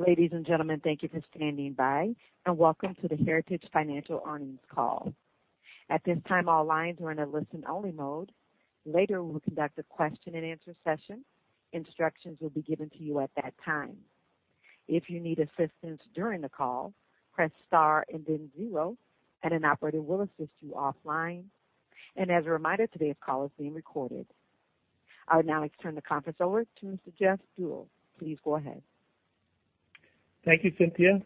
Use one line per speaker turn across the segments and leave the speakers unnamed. Ladies and gentlemen, thank you for standing by, welcome to the Heritage Financial earnings call. At this time, all lines are in a listen-only mode. Later, we'll conduct a question and answer session. Instructions will be given to you at that time. If you need assistance during the call, press star and then zero, and an operator will assist you offline. As a reminder, today's call is being recorded. I would now like to turn the conference over to Mr. Jeff Deuel. Please go ahead.
Thank you, Cynthia.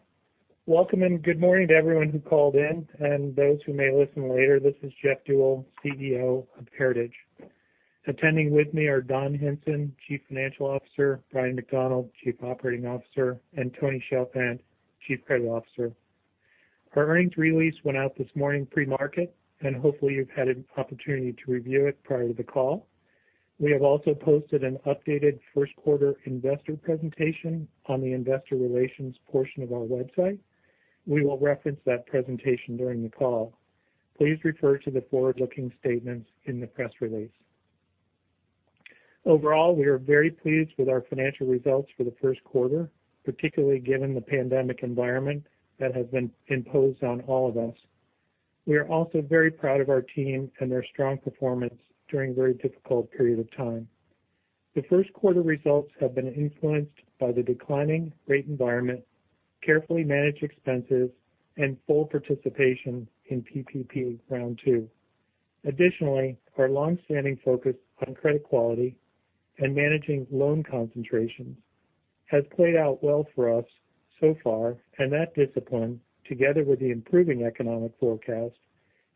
Welcome and good morning to everyone who called in and those who may listen later. This is Jeff Deuel, CEO of Heritage. Attending with me are Don Hinson, Chief Financial Officer, Bryan McDonald, Chief Operating Officer, and Tony Chalfant, Chief Credit Officer. Our earnings release went out this morning pre-market, and hopefully you've had an opportunity to review it prior to the call. We have also posted an updated Q1 investor presentation on the investor relations portion of our website. We will reference that presentation during the call. Please refer to the forward-looking statements in the press release. Overall, we are very pleased with our financial results for the Q1, particularly given the pandemic environment that has been imposed on all of us. We are also very proud of our team and their strong performance during a very difficult period of time. The Q1 results have been influenced by the declining rate environment, carefully managed expenses, and full participation in PPP Round Two. Additionally, our longstanding focus on credit quality and managing loan concentrations has played out well for us so far, and that discipline, together with the improving economic forecast,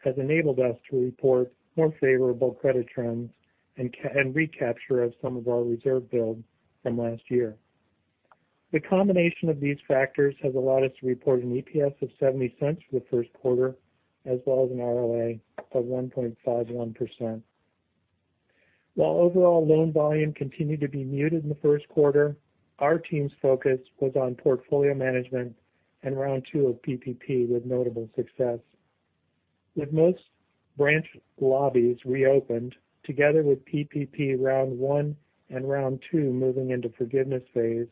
has enabled us to report more favorable credit trends and recapture of some of our reserve build from last year. The combination of these factors has allowed us to report an EPS of $0.70 for the Q1, as well as an ROA of 1.51%. While overall loan volume continued to be muted in the Q1, our team's focus was on portfolio management and Round Two of PPP with notable success. With most branch lobbies reopened, together with PPP Round 1 and Round 2 moving into forgiveness phase,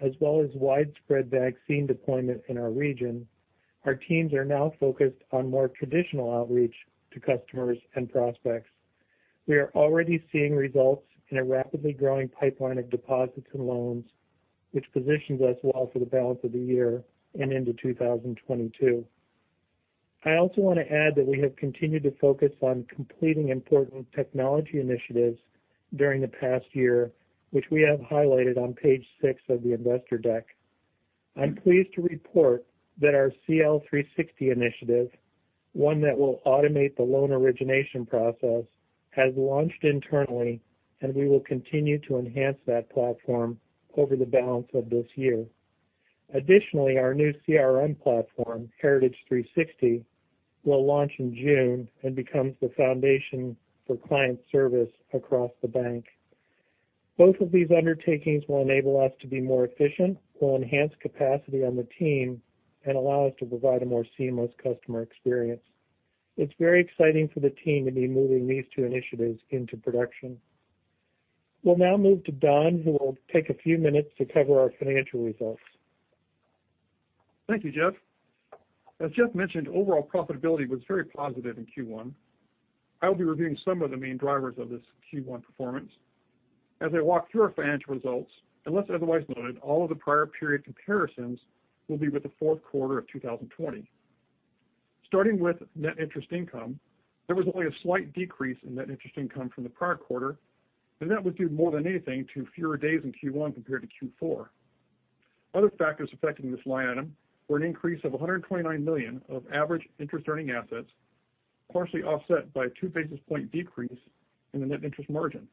as well as widespread vaccine deployment in our region, our teams are now focused on more traditional outreach to customers and prospects. We are already seeing results in a rapidly growing pipeline of deposits and loans, which positions us well for the balance of the year and into 2022. I also want to add that we have continued to focus on completing important technology initiatives during the past year, which we have highlighted on page six of the investor deck. I'm pleased to report that our CL360 initiative, one that will automate the loan origination process, has launched internally, and we will continue to enhance that platform over the balance of this year. Our new CRM platform, Heritage 360, will launch in June and becomes the foundation for client service across the Bank. Both of these undertakings will enable us to be more efficient, will enhance capacity on the team, and allow us to provide a more seamless customer experience. It's very exciting for the team to be moving these two initiatives into production. We'll now move to Don, who will take a few minutes to cover our financial results.
Thank you, Jeff. As Jeff mentioned, overall profitability was very positive in Q1. I will be reviewing some of the main drivers of this Q1 performance. As I walk through our financial results, unless otherwise noted, all of the prior period comparisons will be with the Q4 of 2020. Starting with net interest income, there was only a slight decrease in net interest income from the prior quarter, and that was due more than anything to fewer days in Q1 compared to Q4. Other factors affecting this line item were an increase of $129 million of average interest-earning assets, partially offset by a two-basis point decrease in the net interest margin.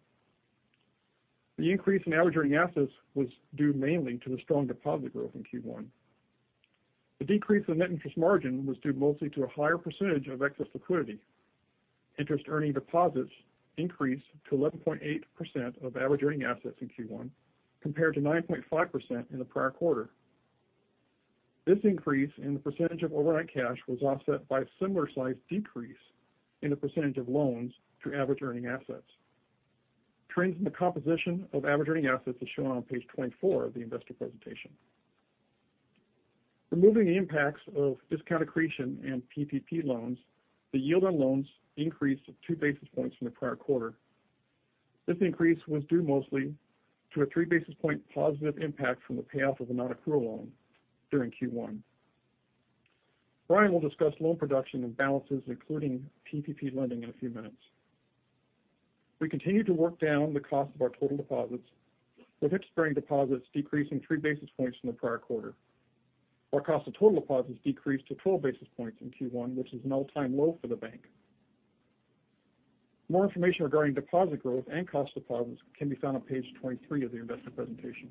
The increase in average-earning assets was due mainly to the strong deposit growth in Q1. The decrease in net interest margin was due mostly to a higher percentage of excess liquidity. Interest earning deposits increased to 11.8% of average earning assets in Q1 compared to 9.5% in the prior quarter. This increase in the percentage of overnight cash was offset by a similar size decrease in the percentage of loans to average earning assets. Trends in the composition of average earning assets is shown on page 24 of the investor presentation. Removing the impacts of discount accretion and PPP loans, the yield on loans increased two basis points from the prior quarter. This increase was due mostly to a three-basis point positive impact from the payoff of a non-accrual loan during Q1. Bryan will discuss loan production and balances, including PPP lending, in a few minutes. We continue to work down the cost of our total deposits, with interest-bearing deposits decreasing three basis points from the prior quarter. Our cost of total deposits decreased to 12 basis points in Q1, which is an all-time low for the bank. More information regarding deposit growth and cost deposits can be found on page 23 of the investor presentation.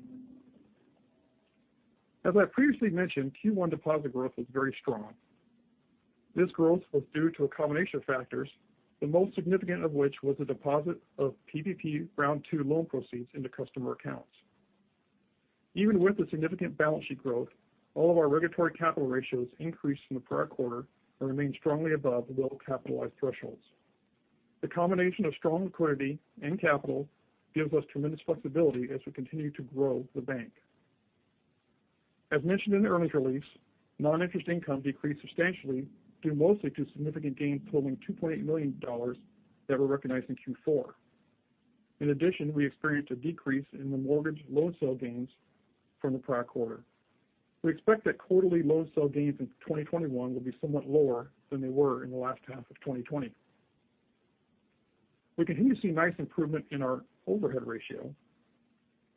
As I previously mentioned, Q1 deposit growth was very strong. This growth was due to a combination of factors, the most significant of which was the deposit of PPP Round 2 loan proceeds into customer accounts. Even with the significant balance sheet growth, all of our regulatory capital ratios increased from the prior quarter and remain strongly above the well-capitalized thresholds. The combination of strong liquidity and capital gives us tremendous flexibility as we continue to grow the bank. As mentioned in the earnings release, non-interest income decreased substantially due mostly to significant gains totaling $2.8 million that were recognized in Q4. In addition, we experienced a decrease in the mortgage loan sale gains from the prior quarter. We expect that quarterly loan sale gains in 2021 will be somewhat lower than they were in the last half of 2020. We continue to see nice improvement in our overhead ratio.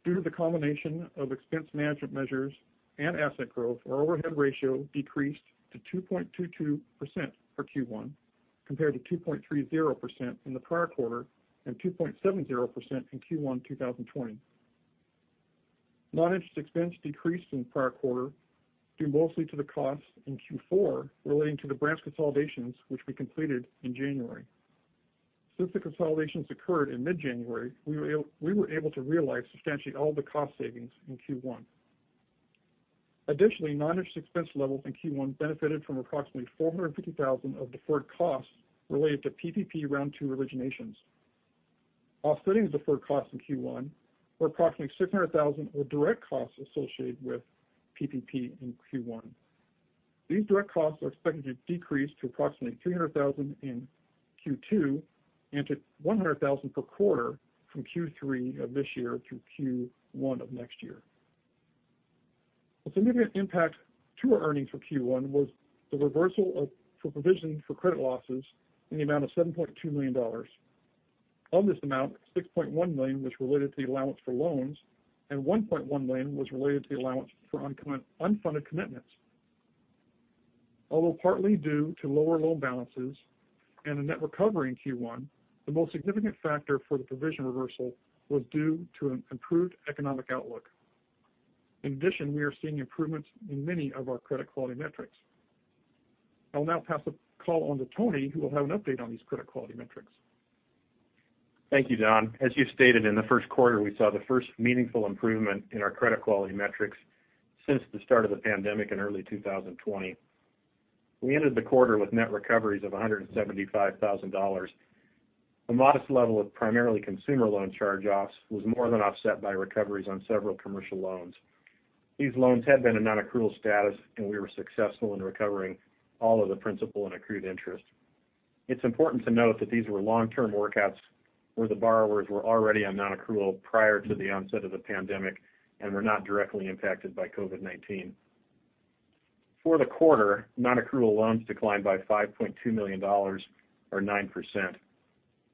Due to the combination of expense management measures and asset growth, our overhead ratio decreased to 2.22% for Q1, compared to 2.30% in the prior quarter and 2.70% in Q1 2020. Non-interest expense decreased in the prior quarter due mostly to the costs in Q4 relating to the branch consolidations which we completed in January. Since the consolidations occurred in mid-January, we were able to realize substantially all of the cost savings in Q1. Additionally, non-interest expense levels in Q1 benefited from approximately $450,000 of deferred costs related to PPP Round Two originations. Offsetting the deferred costs in Q1 were approximately $600,000 of direct costs associated with PPP in Q1. These direct costs are expected to decrease to approximately $300,000 in Q2 and to $100,000 per quarter from Q3 of this year through Q1 of next year. A significant impact to our earnings for Q1 was the reversal for provision for credit losses in the amount of $7.2 million. Of this amount, $6.1 million was related to the allowance for loans, and $1.1 million was related to the allowance for unfunded commitments. Partly due to lower loan balances and a net recovery in Q1, the most significant factor for the provision reversal was due to an improved economic outlook. In addition, we are seeing improvements in many of our credit quality metrics. I will now pass the call on to Tony, who will have an update on these credit quality metrics.
Thank you, Don. As you stated, in the Q1, we saw the first meaningful improvement in our credit quality metrics since the start of the pandemic in early 2020. We ended the quarter with net recoveries of $175,000. A modest level of primarily consumer loan charge-offs was more than offset by recoveries on several commercial loans. These loans had been in non-accrual status, and we were successful in recovering all of the principal and accrued interest. It's important to note that these were long-term workouts where the borrowers were already on non-accrual prior to the onset of the pandemic and were not directly impacted by COVID-19. For the quarter, non-accrual loans declined by $5.2 million, or 9%.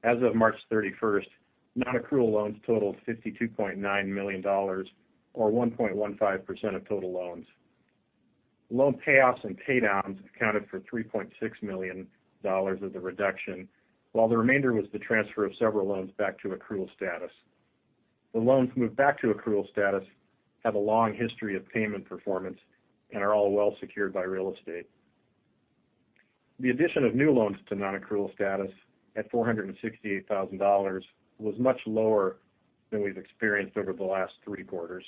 As of March 31st, non-accrual loans totaled $52.9 million, or 1.15% of total loans. Loan payoffs and paydowns accounted for $3.6 million of the reduction, while the remainder was the transfer of several loans back to accrual status. The loans moved back to accrual status have a long history of payment performance and are all well secured by real estate. The addition of new loans to non-accrual status at $468,000 was much lower than we've experienced over the last three quarters.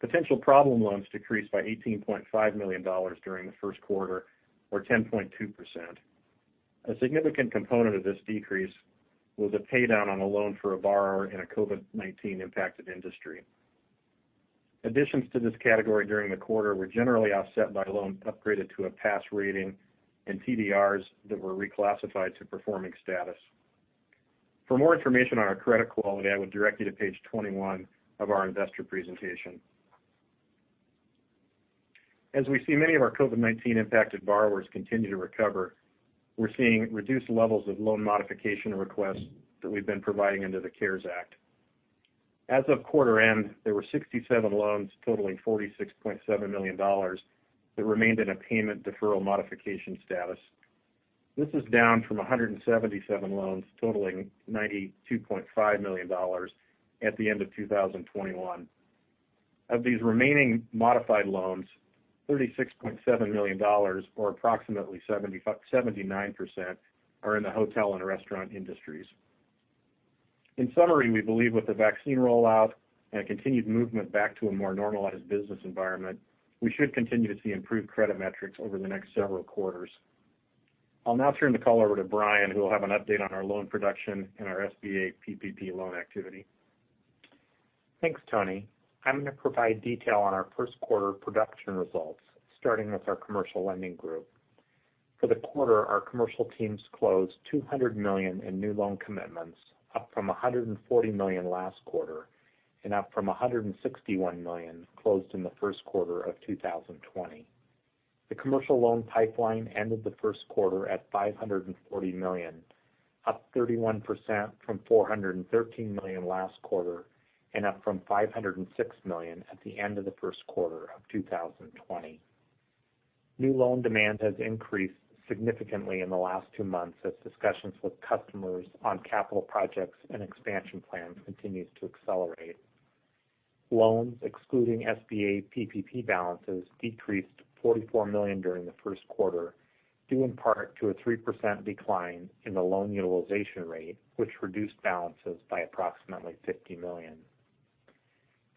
Potential problem loans decreased by $18.5 million during the Q1, or 10.2%. A significant component of this decrease was a paydown on a loan for a borrower in a COVID-19 impacted industry. Additions to this category during the quarter were generally offset by loans upgraded to a pass rating and TDRs that were reclassified to performing status. For more information on our credit quality, I would direct you to page 21 of our investor presentation. As we see many of our COVID-19 impacted borrowers continue to recover, we're seeing reduced levels of loan modification requests that we've been providing under the CARES Act. As of quarter end, there were 67 loans totaling $46.7 million that remained in a payment deferral modification status. This is down from 177 loans totaling $92.5 million at the end of 2021. Of these remaining modified loans, $36.7 million, or approximately 79%, are in the hotel and restaurant industries. In summary, we believe with the vaccine rollout and a continued movement back to a more normalized business environment, we should continue to see improved credit metrics over the next several quarters. I'll now turn the call over to Bryan, who will have an update on our loan production and our SBA PPP loan activity.
Thanks, Tony. I'm going to provide detail on our Q1 production results, starting with our commercial lending group. For the quarter, our commercial teams closed $200 million in new loan commitments, up from $140 million last quarter and up from $161 million closed in the Q1 of 2020. The commercial loan pipeline ended the Q1 at $540 million, up 31% from $413 million last quarter and up from $506 million at the end of the Q1 of 2020. New loan demand has increased significantly in the last two months as discussions with customers on capital projects and expansion plans continues to accelerate. Loans excluding SBA PPP balances decreased to $44 million during the Q1, due in part to a 3% decline in the loan utilization rate, which reduced balances by approximately $50 million.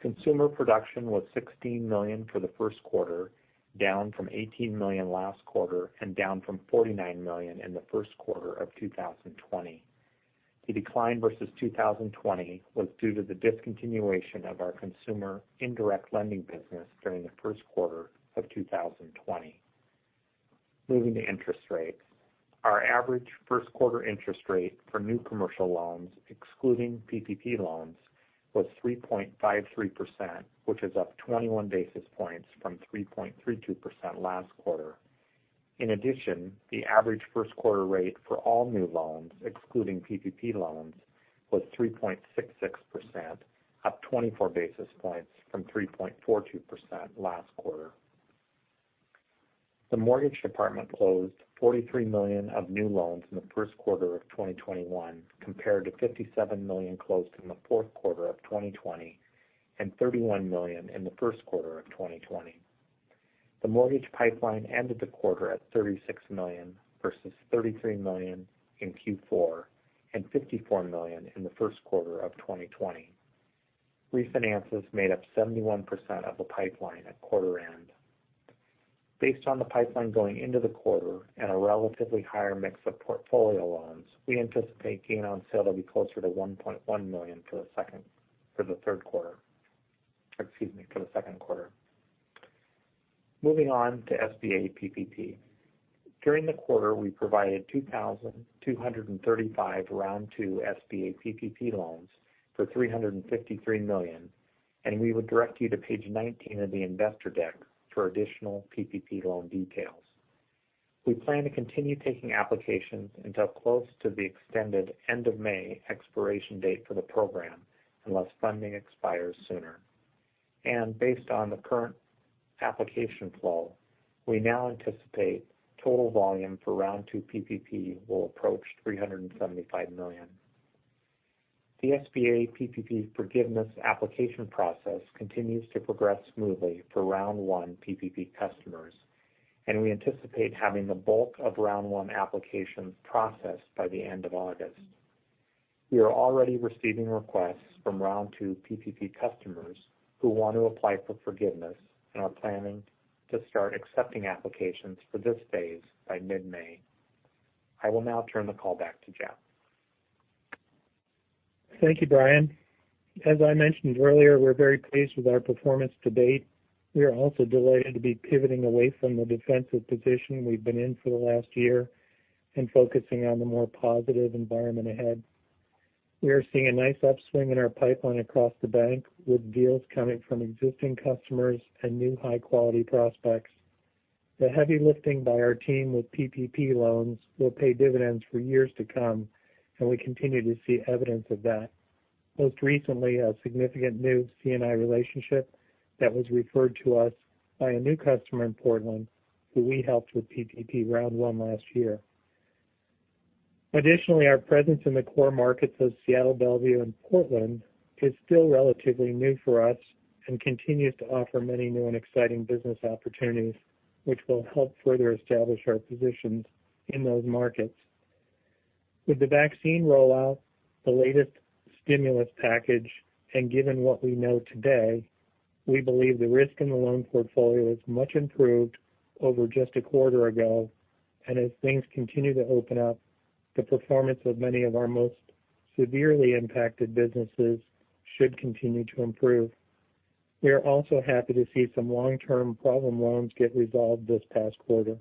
Consumer production was $16 million for the Q1, down from $18 million last quarter and down from $49 million in the Q1 of 2020. The decline versus 2020 was due to the discontinuation of our consumer indirect lending business during the Q1 of 2020. Moving to interest rates. Our average Q1 interest rate for new commercial loans, excluding PPP loans, was 3.53%, which is up 21 basis points from 3.32% last quarter. The average Q1 rate for all new loans, excluding PPP loans, was 3.66%, up 24 basis points from 3.42% last quarter. The mortgage department closed $43 million of new loans in the Q1 of 2021 compared to $57 million closed in the Q4 of 2020 and $31 million in the Q1 of 2020. The mortgage pipeline ended the quarter at $36 million versus $33 million in Q4 and $54 million in the Q1 of 2020. Refinances made up 71% of the pipeline at quarter end. Based on the pipeline going into the quarter and a relatively higher mix of portfolio loans, we anticipate gain on sale to be closer to $1.1 million for the Q2. Moving on to SBA PPP. During the quarter, we provided 2,235 Round Two SBA PPP loans for $353 million, we would direct you to page 19 of the investor deck for additional PPP loan details. We plan to continue taking applications until close to the extended end of May expiration date for the program, unless funding expires sooner. Based on the current application flow, we now anticipate total volume for Round Two PPP will approach $375 million. The SBA PPP forgiveness application process continues to progress smoothly for Round One PPP customers, and we anticipate having the bulk of Round One applications processed by the end of August. We are already receiving requests from Round Two PPP customers who want to apply for forgiveness and are planning to start accepting applications for this phase by mid-May. I will now turn the call back to Jeff.
Thank you, Bryan. As I mentioned earlier, we're very pleased with our performance to date. We are also delighted to be pivoting away from the defensive position we've been in for the last year and focusing on the more positive environment ahead. We are seeing a nice upswing in our pipeline across the bank, with deals coming from existing customers and new high-quality prospects. The heavy lifting by our team with PPP loans will pay dividends for years to come, and we continue to see evidence of that. Most recently, a significant new C&I relationship that was referred to us by a new customer in Portland who we helped with PPP Round One last year. Additionally, our presence in the core markets of Seattle, Bellevue, and Portland is still relatively new for us and continues to offer many new and exciting business opportunities, which will help further establish our positions in those markets. With the vaccine rollout, the latest stimulus package, and given what we know today, we believe the risk in the loan portfolio is much improved over just a quarter ago, and as things continue to open up, the performance of many of our most severely impacted businesses should continue to improve. We are also happy to see some long-term problem loans get resolved this past quarter.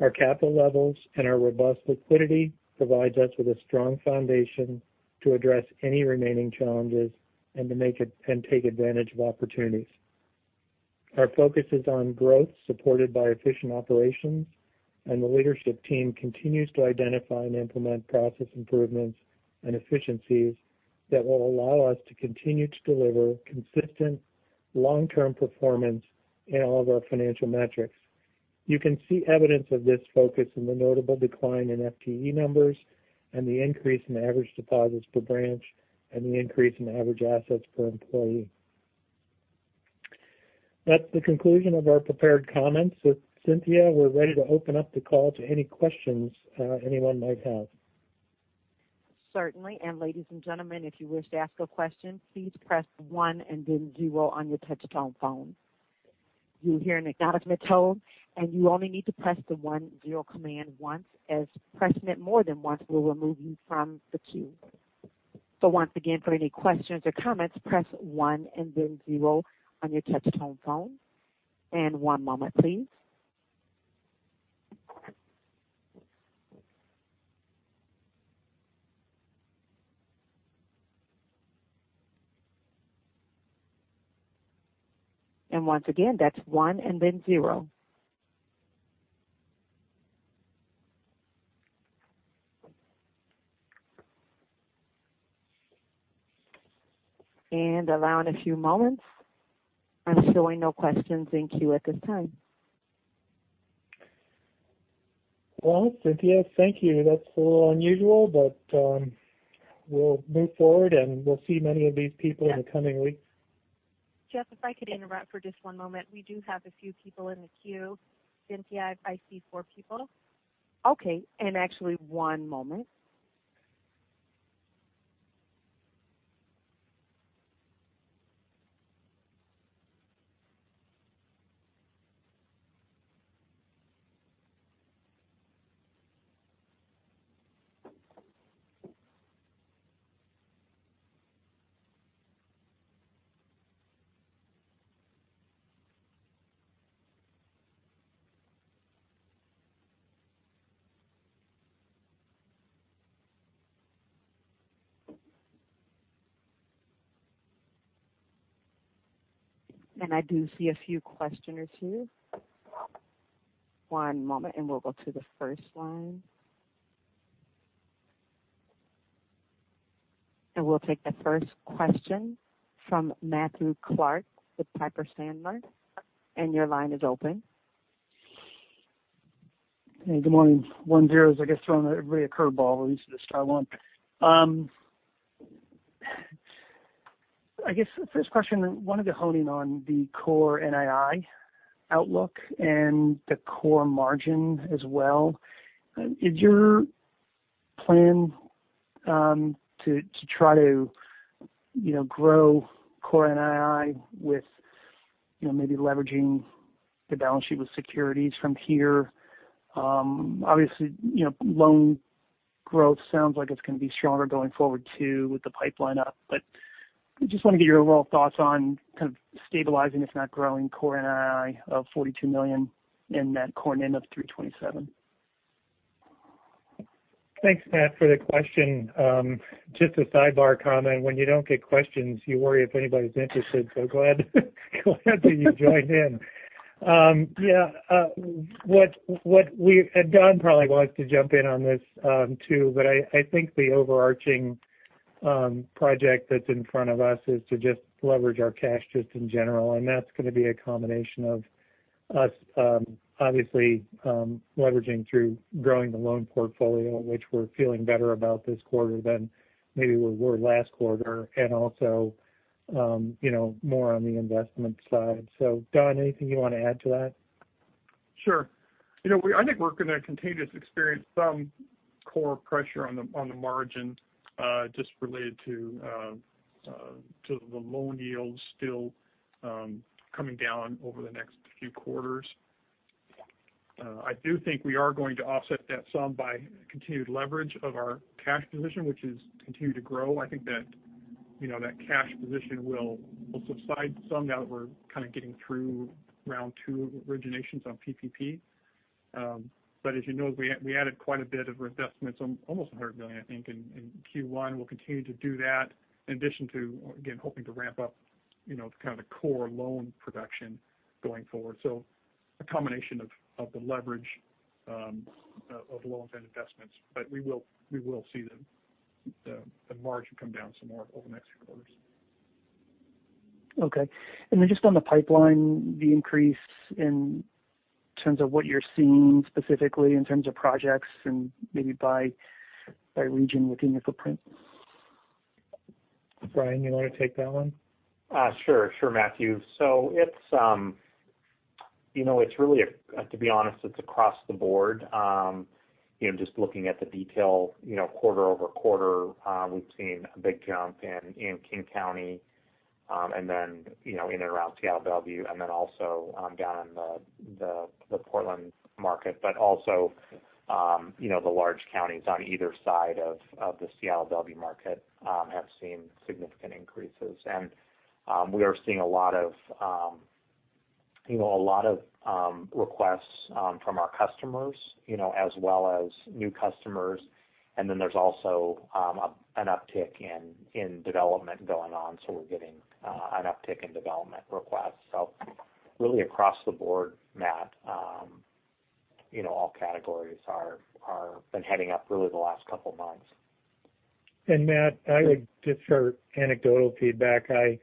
Our capital levels and our robust liquidity provides us with a strong foundation to address any remaining challenges and take advantage of opportunities. Our focus is on growth supported by efficient operations, and the leadership team continues to identify and implement process improvements and efficiencies that will allow us to continue to deliver consistent long-term performance in all of our financial metrics. You can see evidence of this focus in the notable decline in FTE numbers and the increase in average deposits per branch and the increase in average assets per employee. That's the conclusion of our prepared comments. With Cynthia, we're ready to open up the call to any questions anyone might have.
Certainly. Ladies and gentlemen, if you wish to ask a question, please press one and then zero on your touch-tone phone. You'll hear an acknowledgement tone, and you only need to press the one-zero command once, as pressing it more than once will remove you from the queue. Once again, for any questions or comments, press one and then zero on your touch-tone phone. One moment, please. Once again, that's one and then zero. Allowing a few moments. I'm showing no questions in queue at this time.
Well, Cynthia, thank you. That's a little unusual, but we'll move forward, and we'll see many of these people in the coming weeks.
Jeff, if I could interrupt for just one moment. We do have a few people in the queue. Cynthia, I see four people.
Okay. Actually, one moment. I do see a few questioners here. One moment, and we'll go to the first line. We'll take the first question from Matthew Clark with Piper Sandler. Your line is open.
Hey, good morning. One-offs, I guess, throwing a curve ball at least at this time. I guess first question, wanted to hone in on the core NII outlook and the core NIM as well. Is your plan to try to grow core NII with maybe leveraging the balance sheet with securities from here? Obviously, loan growth sounds like it's going to be stronger going forward too, with the pipeline up. I just want to get your overall thoughts on kind of stabilizing, if not growing, core NII of $42 million in that core NIM of 3.27%.
Thanks, Matthew, for the question. Just a sidebar comment. When you don't get questions, you worry if anybody's interested. Glad you joined in. Yeah. Don probably wants to jump in on this, too, but I think the overarching project that's in front of us is to just leverage our cash just in general. That's going to be a combination of us, obviously, leveraging through growing the loan portfolio, which we're feeling better about this quarter than maybe we were last quarter, and also more on the investment side. Don, anything you want to add to that?
Sure. I think we're going to continue to experience some core pressure on the margin just related to the loan yields still coming down over the next few quarters. I do think we are going to offset that some by continued leverage of our cash position, which has continued to grow. I think that cash position will subside some now that we're kind of getting through round two of originations on PPP. As you know, we added quite a bit of reinvestments, almost $100 million, I think, in Q1. We'll continue to do that in addition to, again, hoping to ramp up kind of the core loan production going forward. A combination of the leverage of loans and investments. We will see the margin come down some more over the next few quarters.
Okay. Then just on the pipeline, the increase in terms of what you're seeing specifically in terms of projects and maybe by region within your footprint?
Bryan, you want to take that one?
Sure, Matthew. To be honest, it's across the board. Just looking at the detail quarter-over-quarter, we've seen a big jump in King County, in and around Seattle, Bellevue, also down in the Portland market. Also the large counties on either side of the Seattle-Bellevue market have seen significant increases. We are seeing a lot of requests from our customers as well as new customers. There's also an uptick in development going on, we're getting an uptick in development requests. Really across the board, Matthew. All categories have been heading up really the last couple of months.
Matthew, I would just for anecdotal feedback, I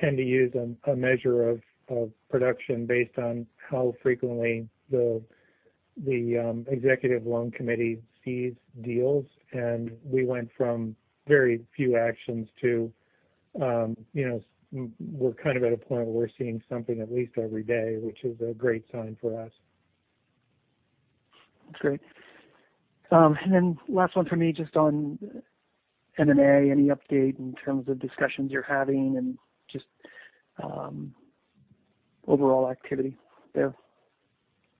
tend to use a measure of production based on how frequently the executive loan committee sees deals. We went from very few actions to we're kind of at a point where we're seeing something at least every day, which is a great sign for us.
That's great. Last one for me, just on M&A. Any update in terms of discussions you're having and just overall activity there?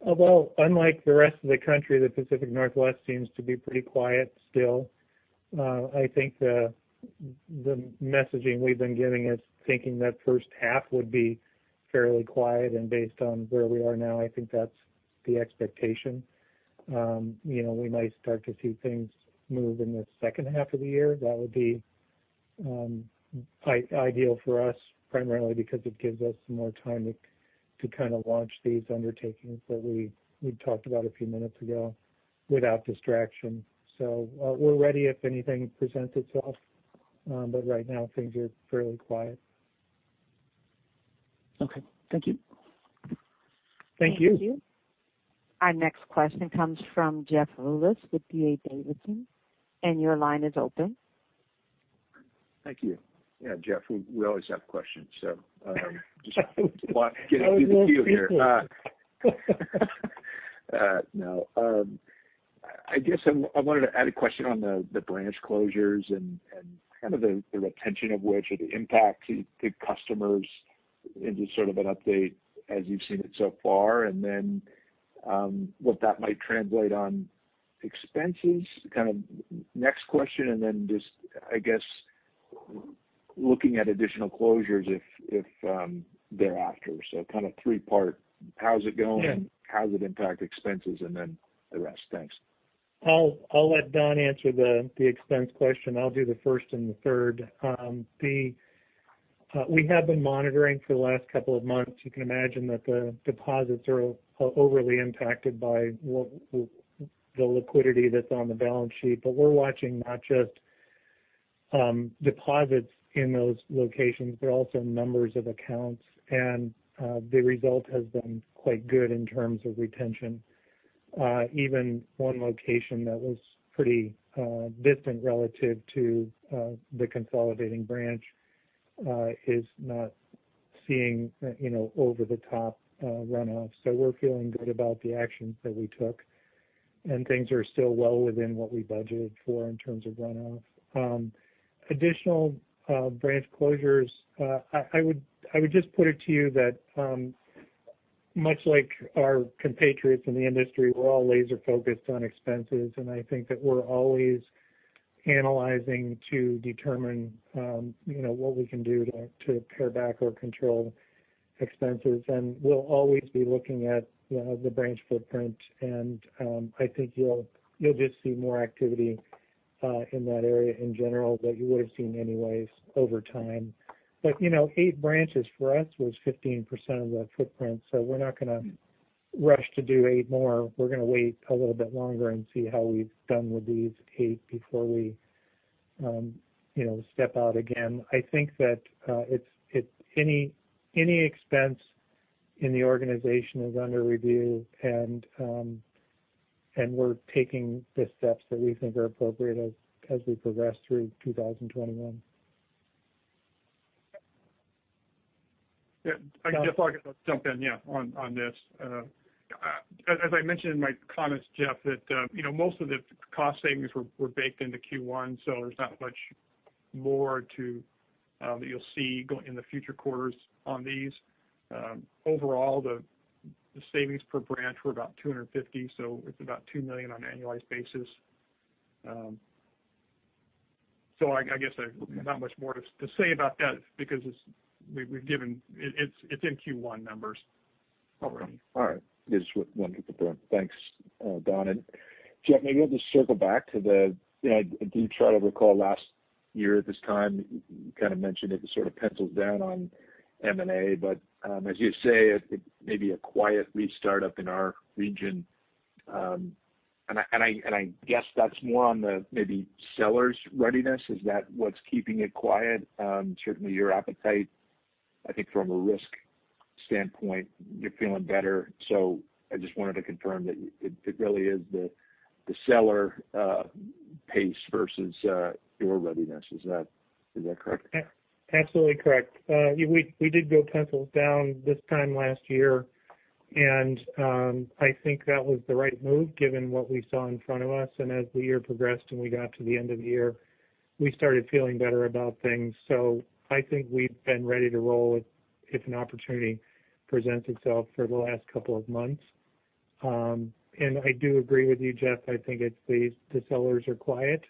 Well, unlike the rest of the country, the Pacific Northwest seems to be pretty quiet still. I think the messaging we've been giving is thinking that first half would be fairly quiet. Based on where we are now, I think that's the expectation. We might start to see things move in the second half of the year. That would be ideal for us, primarily because it gives us more time to kind of launch these undertakings that we talked about a few minutes ago without distraction. We're ready if anything presents itself. Right now, things are fairly quiet.
Okay. Thank you.
Thank you.
Our next question comes from Jeff Rulis with D.A. Davidson. Your line is open.
Thank you. Jeff, we always have questions, getting through the queue here. I guess I wanted to add a question on the branch closures and kind of the retention of which or the impact to customers into sort of an update as you've seen it so far, what that might translate on expenses, kind of next question, and then just, I guess, looking at additional closures if thereafter. Kind of three-part. How's it going?
Yeah.
How does it impact expenses? Then the rest. Thanks.
I'll let Don answer the expense question. I'll do the first and the third. We have been monitoring for the last couple of months. You can imagine that the deposits are overly impacted by the liquidity that's on the balance sheet. We're watching not just deposits in those locations, but also numbers of accounts. The result has been quite good in terms of retention. Even one location that was pretty distant relative to the consolidating branch is not seeing over-the-top runoff. We're feeling good about the actions that we took, and things are still well within what we budgeted for in terms of runoff. Additional branch closures, I would just put it to you that much like our compatriots in the industry, we're all laser-focused on expenses, and I think that we're always analyzing to determine what we can do to pare back or control expenses. We'll always be looking at the branch footprint, and I think you'll just see more activity in that area in general that you would've seen anyways over time. Eight branches for us was 15% of the footprint, so we're not going to rush to do eight more. We're going to wait a little bit longer and see how we've done with these eight before we step out again. I think that any expense in the organization is under review, and we're taking the steps that we think are appropriate as we progress through 2021.
I'll jump in, yeah, on this. As I mentioned in my comments, Jeff, that most of the cost savings were baked into Q1, so there's not much more that you'll see in the future quarters on these. Overall, the savings per branch were about 250, so it's about $2 million on an annualized basis. I guess not much more to say about that because it's in Q1 numbers already.
All right. It's wonderful, Don. Thanks, Don. Jeff, maybe I'll just circle back. I do try to recall last year at this time, you kind of mentioned it was sort of pencils down on M&A. As you say, it may be a quiet restart up in our region. I guess that's more on the maybe seller's readiness. Is that what's keeping it quiet? Certainly, your appetite. I think from a risk standpoint, you're feeling better. I just wanted to confirm that it really is the seller pace versus your readiness. Is that correct?
Absolutely correct. We did go pencils down this time last year, and I think that was the right move given what we saw in front of us. As the year progressed and we got to the end of the year, we started feeling better about things. I think we've been ready to roll if an opportunity presents itself for the last couple of months. I do agree with you, Jeff. I think it's the sellers are quiet.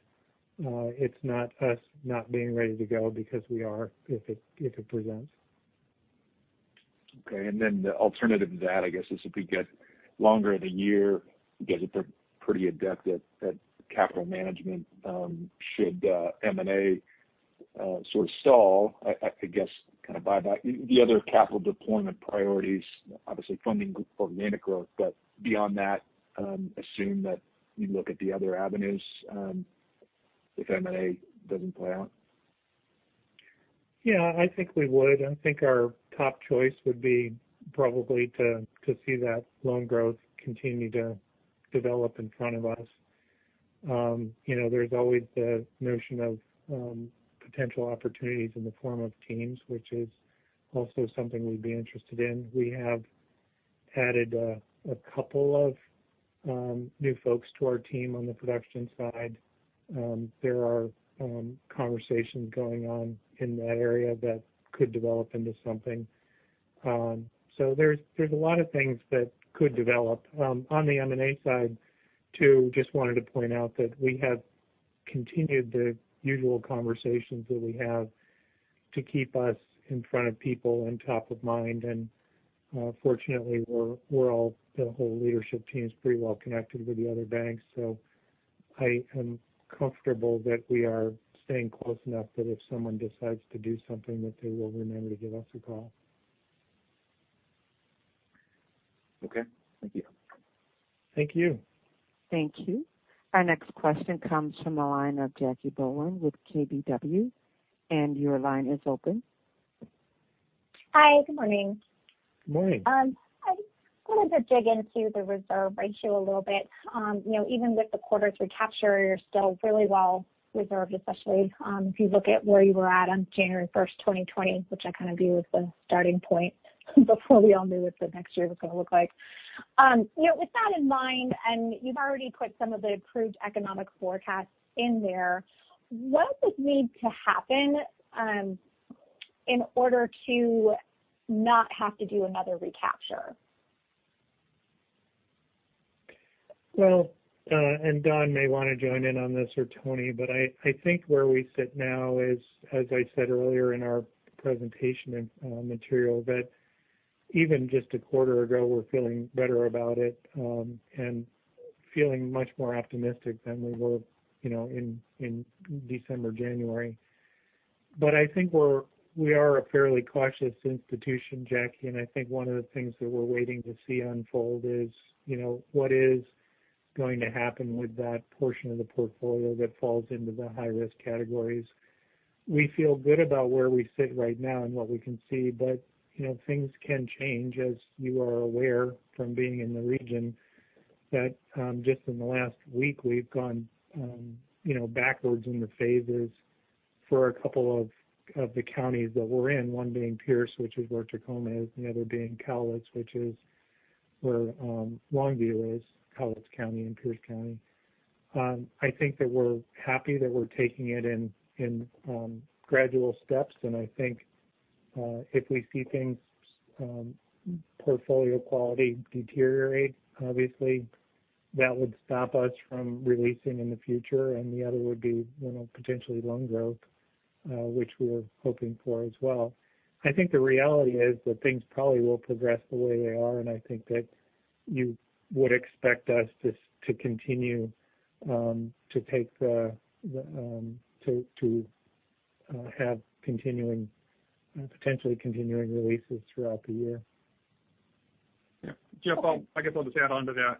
It's not us not being ready to go because we are if it presents.
Okay. The alternative to that, I guess, is if we get longer in the year, you guys have been pretty adept at capital management. Should M&A sort of stall, I guess kind of buy back the other capital deployment priorities, obviously funding organic growth. Beyond that, assume that you look at the other avenues if M&A doesn't play out.
Yeah, I think we would. I think our top choice would be probably to see that loan growth continue to develop in front of us. There's always the notion of potential opportunities in the form of teams, which is also something we'd be interested in. We have added a couple of new folks to our team on the production side. There are conversations going on in that area that could develop into something. There's a lot of things that could develop. On the M&A side too, just wanted to point out that we have continued the usual conversations that we have to keep us in front of people and top of mind. Fortunately, the whole leadership team is pretty well connected with the other banks, so I am comfortable that we are staying close enough that if someone decides to do something, that they will remember to give us a call.
Okay. Thank you.
Thank you.
Thank you. Our next question comes from the line of Jacquelynne Bohlen with KBW. Your line is open.
Hi, good morning.
Good morning.
I just wanted to dig into the reserve ratio a little bit. Even with the quarter to capture, you're still really well reserved, especially if you look at where you were at on January 1st, 2020, which I kind of view as the starting point before we all knew what the next year was going to look like. With that in mind, you've already put some of the approved economic forecasts in there, what would need to happen in order to not have to do another recapture?
Don may want to join in on this or Tony, I think where we sit now is, as I said earlier in our presentation material, that even just a quarter ago, we're feeling better about it, and feeling much more optimistic than we were in December, January. I think we are a fairly cautious institution, Jacquelynne, and I think one of the things that we're waiting to see unfold is what is going to happen with that portion of the portfolio that falls into the high-risk categories. We feel good about where we sit right now and what we can see, things can change, as you are aware from being in the region, that just in the last week, we've gone backwards in the phases for a couple of the counties that we're in. One being Pierce, which is where Tacoma is, and the other being Cowlitz, which is where Longview is, Cowlitz County and Pierce County. I think that we're happy that we're taking it in gradual steps, and I think if we see things, portfolio quality deteriorate, obviously, that would stop us from releasing in the future, and the other would be potentially loan growth, Which we're hoping for as well. I think the reality is that things probably will progress the way they are, and I think that you would expect us to continue to have potentially continuing releases throughout the year.
Yeah. Jeff, I guess I'll just add onto that.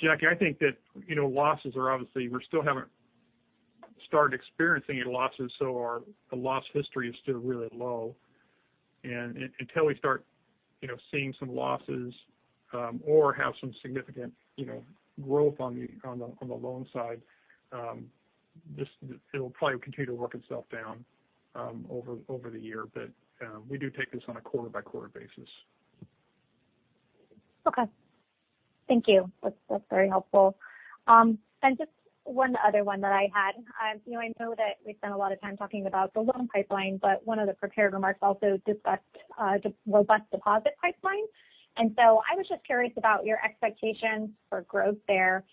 Jacquelyne, We still haven't started experiencing any losses, so our loss history is still really low. Until we start seeing some losses or have some significant growth on the loan side, it'll probably continue to work itself down over the year. We do take this on a quarter-by-quarter basis.
Okay. Thank you. That's very helpful. Just one other one that I had. I know that we've spent a lot of time talking about the loan pipeline, but one of the prepared remarks also discussed the robust deposit pipeline. I was just curious about your expectations for growth there,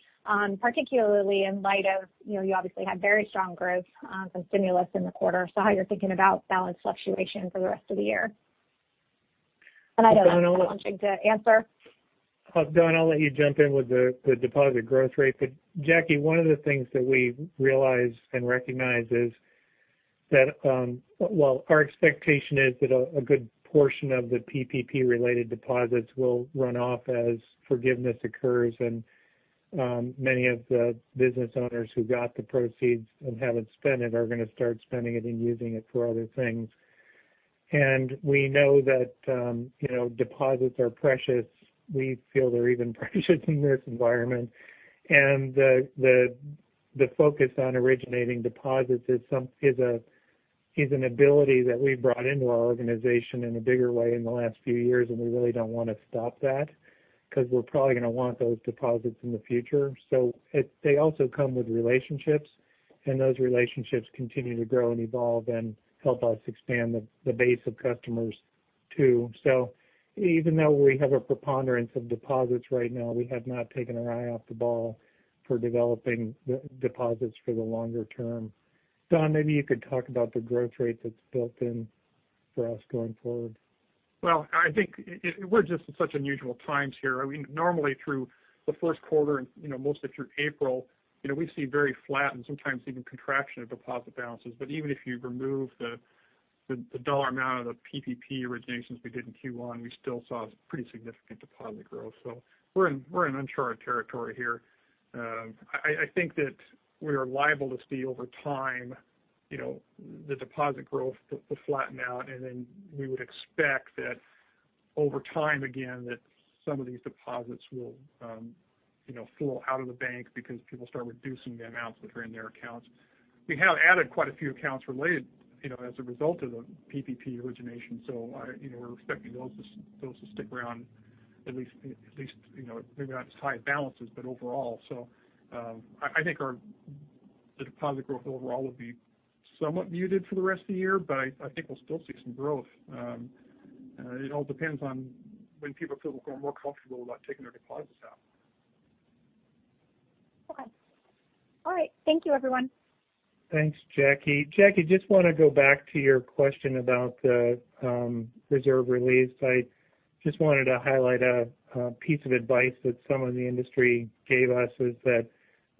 particularly in light of you obviously had very strong growth from stimulus in the quarter, so how you're thinking about balance fluctuation for the rest of the year. I know which one should answer.
Don, I'll let you jump in with the deposit growth rate. Jacquelyne Bohlen, one of the things that we realize and recognize is that while our expectation is that a good portion of the PPP related deposits will run off as forgiveness occurs and many of the business owners who got the proceeds and haven't spent it are going to start spending it and using it for other things. We know that deposits are precious. We feel they're even precious in this environment. The focus on originating deposits is an ability that we brought into our organization in a bigger way in the last few years, and we really don't want to stop that because we're probably going to want those deposits in the future. They also come with relationships, and those relationships continue to grow and evolve and help us expand the base of customers, too. Even though we have a preponderance of deposits right now, we have not taken our eye off the ball for developing deposits for the longer term. Don, maybe you could talk about the growth rate that's built in for us going forward.
I think we're just in such unusual times here. Normally through the Q1 and most of through April, we see very flat and sometimes even contraction of deposit balances. Even if you remove the dollar amount of the PPP originations we did in Q1, we still saw pretty significant deposit growth. We're in uncharted territory here. I think that we are liable to see over time the deposit growth to flatten out, and then we would expect that over time, again, that some of these deposits will flow out of the bank because people start reducing the amounts that are in their accounts. We have added quite a few accounts related as a result of the PPP origination, so we're expecting those to stick around, at least maybe not as high balances, but overall. I think the deposit growth overall would be somewhat muted for the rest of the year, but I think we'll still see some growth. It all depends on when people feel more comfortable about taking their deposits out.
Okay. All right. Thank you, everyone.
Thanks, Jacquelyne. Jacquelyne, just want to go back to your question about the reserve release. I just wanted to highlight a piece of advice that someone in the industry gave us is that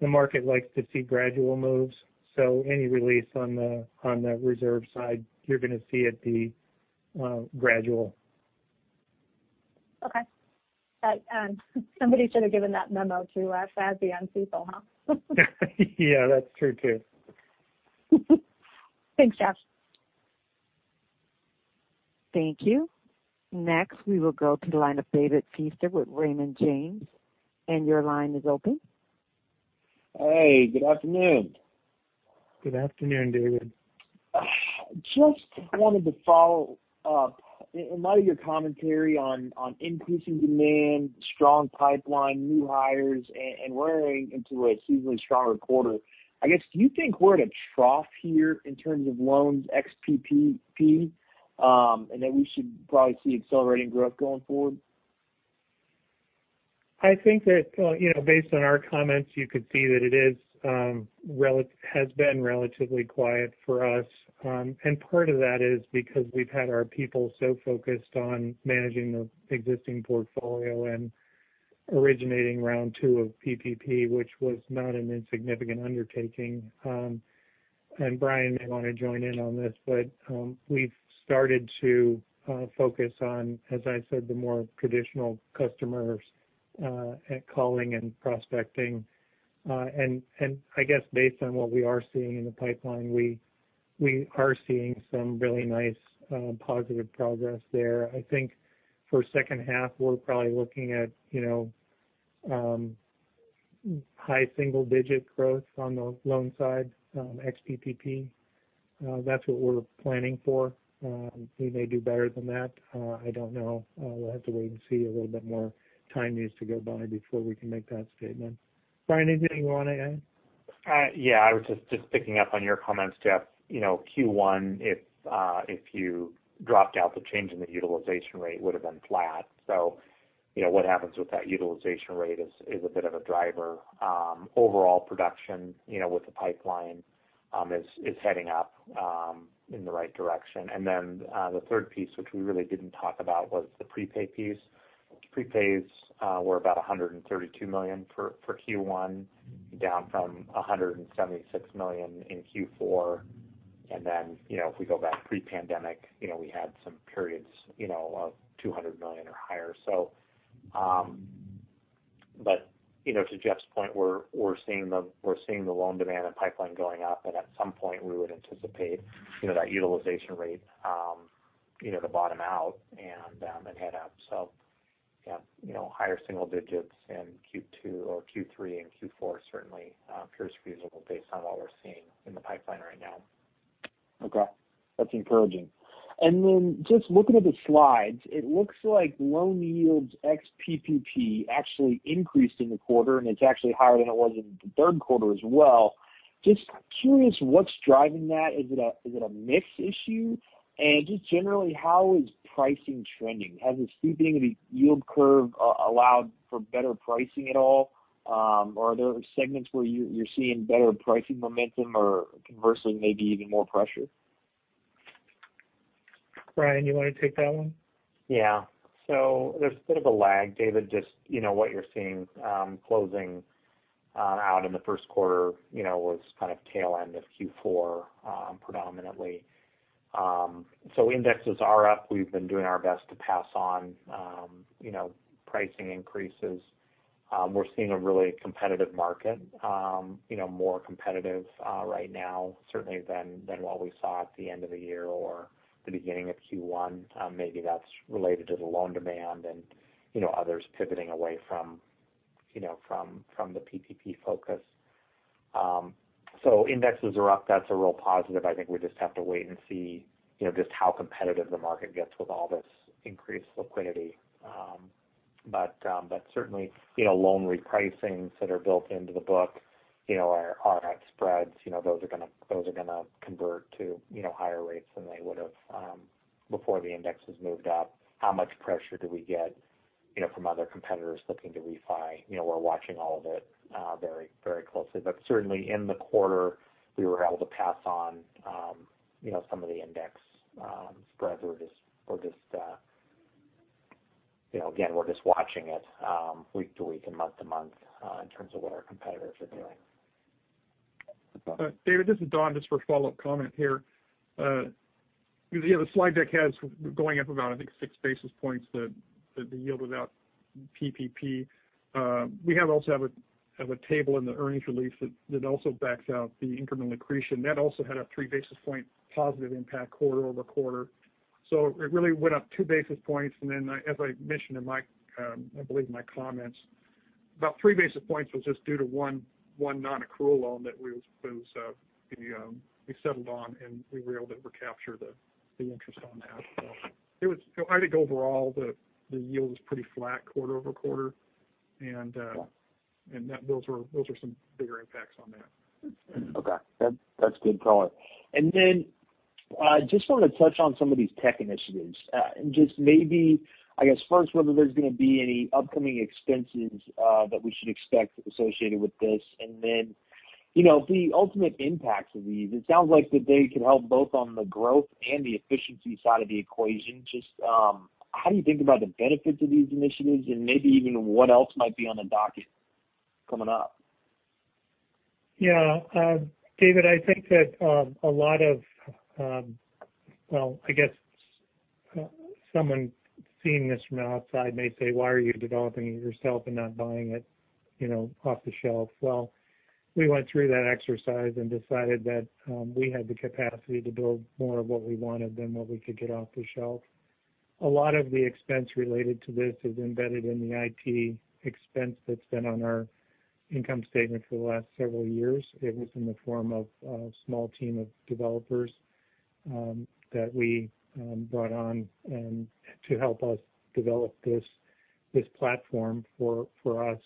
the market likes to see gradual moves. Any release on the reserve side, you're going to see it be, well, gradual.
Okay. Somebody should have given that memo to FASB and CECL, huh?
Yeah, that's true too.
Thanks, Jeff.
Thank you. Next, we will go to the line of David Feaster with Raymond James. Your line is open.
Hey, good afternoon.
Good afternoon, David.
Just wanted to follow up. In light of your commentary on increasing demand, strong pipeline, new hires, and roaring into a seasonally stronger quarter, I guess, do you think we're at a trough here in terms of loans ex PPP, and that we should probably see accelerating growth going forward?
I think that based on our comments, you could see that it has been relatively quiet for us. Part of that is because we've had our people so focused on managing the existing portfolio and originating round two of PPP, which was not an insignificant undertaking. Bryan may want to join in on this, but we've started to focus on, as I said, the more traditional customers, at calling and prospecting. I guess based on what we are seeing in the pipeline, we are seeing some really nice positive progress there. I think for second half, we're probably looking at high single-digit growth on the loan side ex PPP. That's what we're planning for. We may do better than that. I don't know. We'll have to wait and see. A little bit more time needs to go by before we can make that statement. Bryan, anything you want to add?
I was just picking up on your comments, Jeff. Q1, if you dropped out the change in the utilization rate, would've been flat. What happens with that utilization rate is a bit of a driver. Overall production with the pipeline is heading up in the right direction. The third piece, which we really didn't talk about, was the prepay piece. Prepays were about $132 million for Q1, down from $176 million in Q4. If we go back pre-pandemic, we had some periods of $200 million or higher. To Jeff's point, we're seeing the loan demand and pipeline going up, and at some point, we would anticipate that utilization rate to bottom out and then head up. Yeah, higher single digits in Q2 or Q3 and Q4 certainly appears feasible based on what we're seeing in the pipeline right now.
Okay. That's encouraging. Just looking at the slides, it looks like loan yields ex PPP actually increased in the quarter, and it's actually higher than it was in the Q3 as well. Just curious what's driving that. Is it a mix issue? Just generally, how is pricing trending? Has the steepening of the yield curve allowed for better pricing at all? Are there segments where you're seeing better pricing momentum or conversely, maybe even more pressure?
Bryan, you want to take that one?
Yeah. There's a bit of a lag, David, just what you're seeing closing out in the Q1 was kind of tail end of Q4 predominantly. Indexes are up. We've been doing our best to pass on pricing increases. We're seeing a really competitive market, more competitive right now certainly than what we saw at the end of the year or the beginning of Q1. Maybe that's related to the loan demand and others pivoting away from the PPP focus. Indexes are up. That's a real positive. I think we just have to wait and see just how competitive the market gets with all this increased liquidity. Certainly, loan repricings that are built into the book are at spreads. Those are going to convert to higher rates than they would've before the indexes moved up. How much pressure do we get from other competitors looking to refi? We're watching all of it very closely. Certainly in the quarter, we were able to pass on some of the index spreads. Again, we're just watching it week to week and month to month in terms of what our competitors are doing.
David, this is Don, just for a follow-up comment here. The slide deck has going up about, I think, six basis points, the yield without PPP. We also have a table in the earnings release that also backs out the incremental accretion. That also had a three basis point positive impact quarter-over-quarter. It really went up two basis points, and then as I mentioned I believe in my comments, about three basis points was just due to one non-accrual loan that we settled on, and we were able to recapture the interest on that. I think overall, the yield was pretty flat quarter-over-quarter, and those were some bigger impacts on that.
Okay. That's good color. Just want to touch on some of these tech initiatives. Whether there's going to be any upcoming expenses that we should expect associated with this, and then the ultimate impacts of these. It sounds like that they could help both on the growth and the efficiency side of the equation. Just how do you think about the benefits of these initiatives and maybe even what else might be on the docket coming up?
Yeah. David, I think that someone seeing this from the outside may say, "Why are you developing it yourself and not buying it off the shelf?" Well, we went through that exercise and decided that we had the capacity to build more of what we wanted than what we could get off the shelf. A lot of the expense related to this is embedded in the IT expense that's been on our income statement for the last several years. It was in the form of a small team of developers that we brought on to help us develop this platform for us.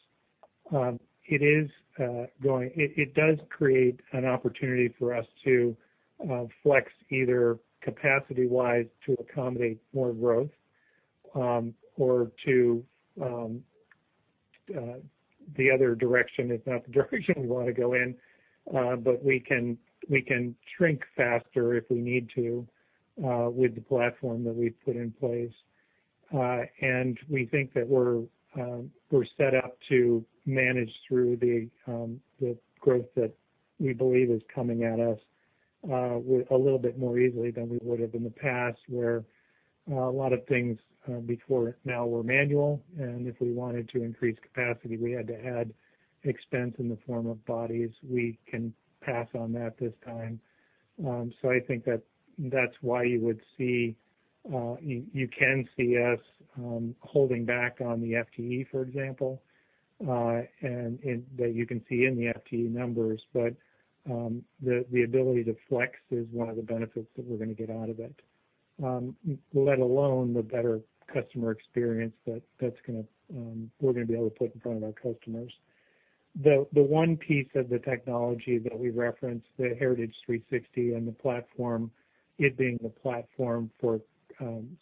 It does create an opportunity for us to flex either capacity-wise to accommodate more growth, or to the other direction is not the direction we want to go in. We can shrink faster if we need to with the platform that we've put in place. We think that we're set up to manage through the growth that we believe is coming at us a little bit more easily than we would've in the past, where a lot of things before now were manual, and if we wanted to increase capacity, we had to add expense in the form of bodies. We can pass on that this time. I think that's why you can see us holding back on the FTE, for example, and that you can see in the FTE numbers. The ability to flex is one of the benefits that we're going to get out of it. Let alone the better customer experience that we're going to be able to put in front of our customers. The one piece of the technology that we referenced, the Heritage 360 and the platform, it being the platform for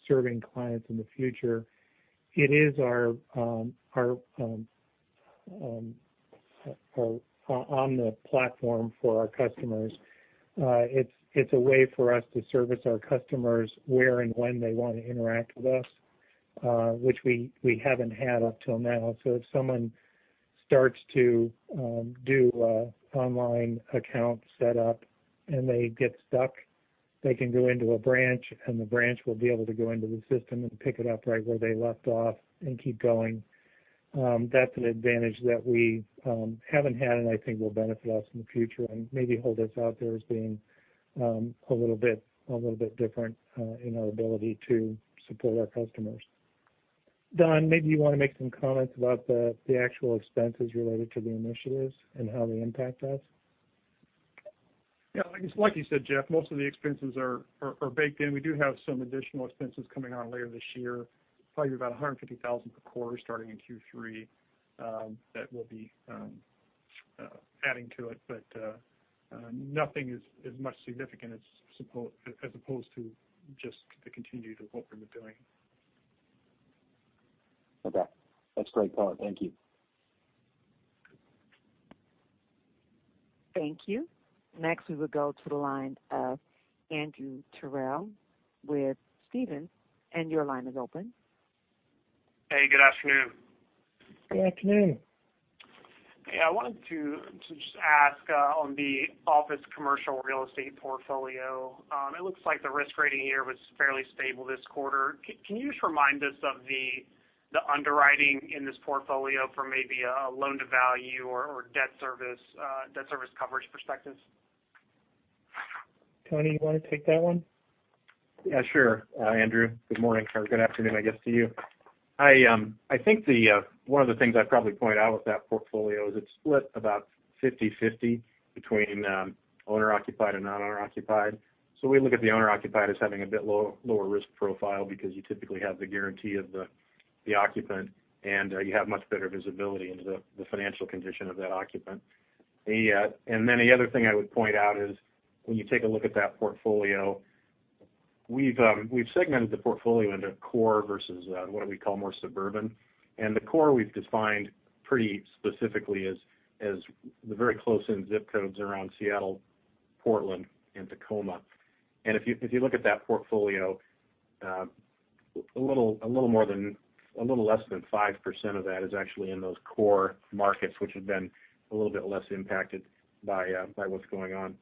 serving clients in the future. It is on the platform for our customers. It's a way for us to service our customers where and when they want to interact with us, which we haven't had up till now. If someone starts to do online account set up and they get stuck, they can go into a branch, and the branch will be able to go into the system and pick it up right where they left off and keep going. That's an advantage that we haven't had, and I think will benefit us in the future and maybe hold us out there as being a little bit different in our ability to support our customers. Don, maybe you want to make some comments about the actual expenses related to the initiatives and how they impact us.
Yeah. Like you said, Jeff, most of the expenses are baked in. We do have some additional expenses coming on later this year, probably about $150,000 per quarter starting in Q3 that we'll be adding to it. Nothing as much significant as opposed to just the continued of what we're doing.
Okay. That's great color. Thank you.
Thank you. Next, we will go to the line of Andrew Terrell with Stephens, and your line is open.
Hey, good afternoon.
Good afternoon.
Hey, I wanted to just ask on the office commercial real estate portfolio. It looks like the risk rating here was fairly stable this quarter. Can you just remind us of the underwriting in this portfolio from maybe a loan-to-value or debt service coverage perspective?
Tony, you want to take that one?
Yeah, sure. Andrew, good morning, or good afternoon, I guess, to you. I think one of the things I'd probably point out with that portfolio is it's split about 50/50 between owner-occupied and non-owner-occupied. We look at the owner-occupied as having a bit lower risk profile because you typically have the guarantee of the occupant, and you have much better visibility into the financial condition of that occupant. The other thing I would point out is when you take a look at that portfolio, we've segmented the portfolio into core versus what we call more suburban. The core we've defined pretty specifically as the very close-in zip codes around Seattle, Portland, and Tacoma. If you look at that portfolio, a little less than 5% of that is actually in those core markets, which have been a little bit less impacted by what's going on.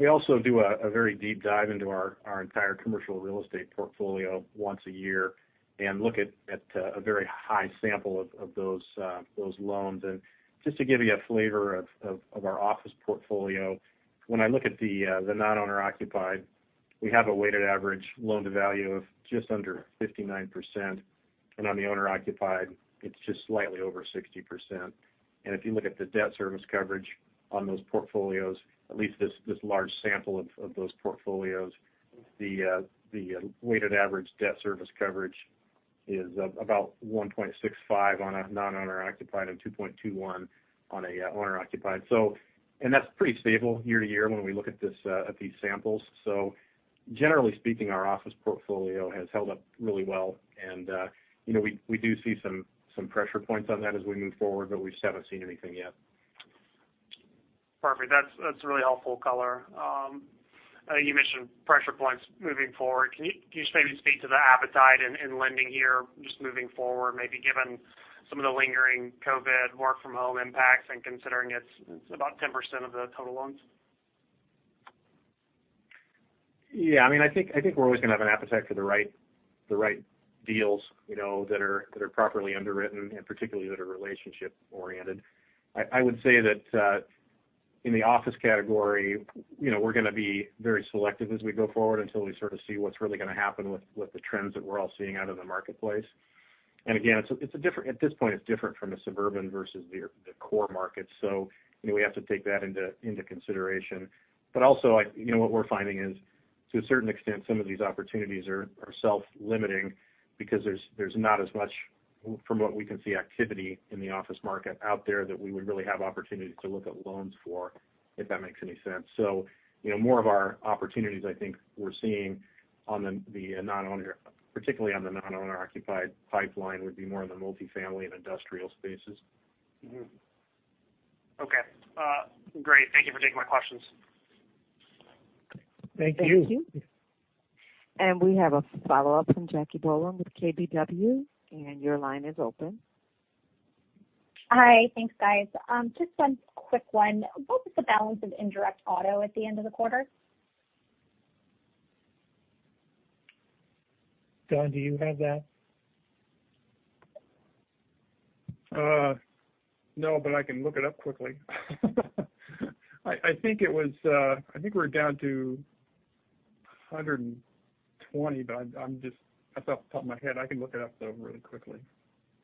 We also do a very deep dive into our entire commercial real estate portfolio once a year and look at a very high sample of those loans. Just to give you a flavor of our office portfolio, when I look at the non-owner occupied, we have a weighted average loan-to-value of just under 59%, and on the owner occupied, it's just slightly over 60%. If you look at the debt service coverage on those portfolios, at least this large sample of those portfolios, the weighted average debt service coverage is about 1.65 on a non-owner occupied and 2.21 on a owner occupied. That's pretty stable year-to-year when we look at these samples. Generally speaking, our office portfolio has held up really well. We do see some pressure points on that as we move forward, but we just haven't seen anything yet.
Perfect. That's really helpful color. You mentioned pressure points moving forward. Can you just maybe speak to the appetite in lending here, just moving forward, maybe given some of the lingering COVID work-from-home impacts and considering it's about 10% of the total loans?
Yeah. I think we're always going to have an appetite for the right deals that are properly underwritten, and particularly that are relationship-oriented. I would say that in the office category, we're going to be very selective as we go forward until we sort of see what's really going to happen with the trends that we're all seeing out in the marketplace. Again, at this point, it's different from the suburban versus the core markets. We have to take that into consideration. Also, what we're finding is, to a certain extent, some of these opportunities are self-limiting because there's not as much, from what we can see, activity in the office market out there that we would really have opportunity to look at loans for, if that makes any sense. More of our opportunities, I think we're seeing, particularly on the non-owner occupied pipeline, would be more in the multifamily and industrial spaces.
Mm-hmm. Okay. Great. Thank you for taking my questions.
Thank you.
Thank you. We have a follow-up from Jacquelyne Bohlen with KBW, and your line is open.
Hi. Thanks, guys. Just one quick one. What was the balance of indirect auto at the end of the quarter?
Don, do you have that?
No, but I can look it up quickly. I think we're down to 120, but that's off the top of my head. I can look it up, though, really quickly.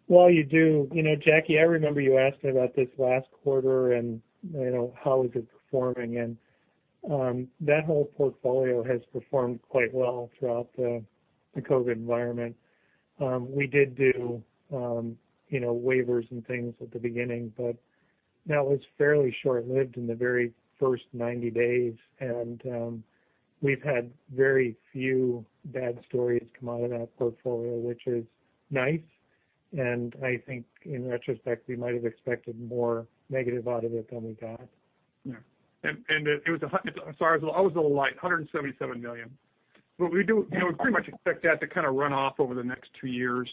While you do, Jacquelyne, I remember you asked me about this last quarter, and how is it performing? That whole portfolio has performed quite well throughout the COVID environment. We did do waivers and things at the beginning, but that was fairly short-lived in the very first 90 days. We've had very few bad stories come out of that portfolio, which is nice. I think in retrospect, we might have expected more negative out of it than we got.
Yeah. I was a little light, $177 million. We do pretty much expect that to kind of run off over the next two years.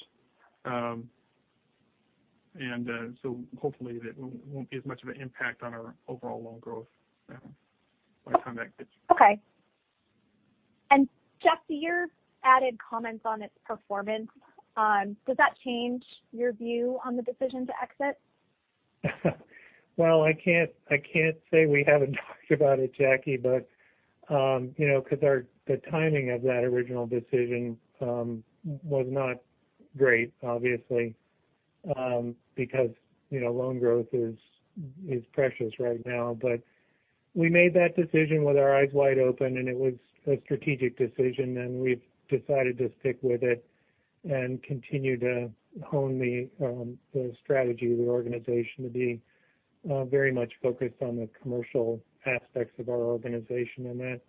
Hopefully that won't be as much of an impact on our overall loan growth by the time that hits.
Okay. Jeff, to your added comments on its performance, does that change your view on the decision to exit?
Well, I can't say we haven't talked about it, Jacquelyne. The timing of that original decision was not great, obviously, because loan growth is precious right now. We made that decision with our eyes wide open, and it was a strategic decision, and we've decided to stick with it and continue to hone the strategy of the organization to be very much focused on the commercial aspects of our organization. That,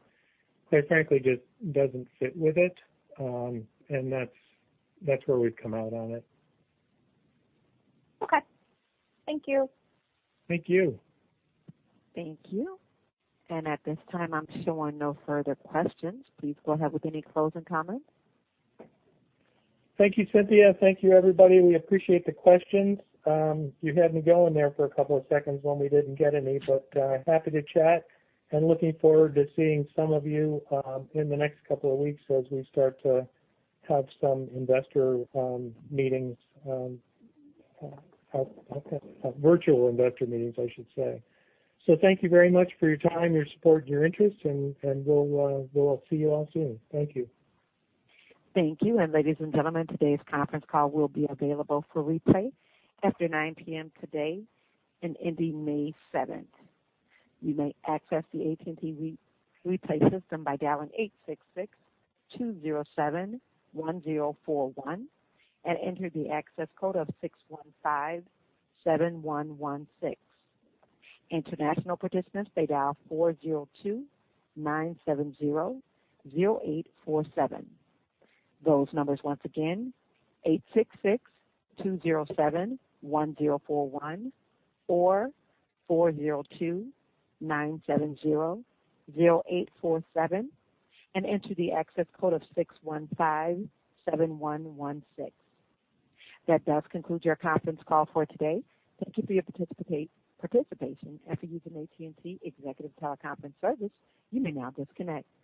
quite frankly, just doesn't fit with it. That's where we've come out on it.
Okay. Thank you.
Thank you.
Thank you. At this time, I'm showing no further questions. Please go ahead with any closing comments.
Thank you, Cynthia. Thank you, everybody. We appreciate the questions. You had me going there for a couple of seconds when we didn't get any, but happy to chat and looking forward to seeing some of you in the next couple of weeks as we start to have some investor meetings. Virtual investor meetings, I should say. Thank you very much for your time, your support, and your interest, and we'll see you all soon. Thank you.
Thank you. Ladies and gentlemen, today's conference call will be available for replay after 9:00 P.M. today and ending May 7th. You may access the AT&T Replay System by dialing 866-207-1041 and enter the access code of 6157116. International participants may dial 402-970-0847. Those numbers once again, 866-207-1041 or 402-970-0847, and enter the access code of 6157116. That does conclude your conference call for today. Thank you for your participation. After using AT&T Executive Teleconference Service, you may now disconnect.